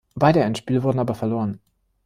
Beide Endspiele wurden aber verloren.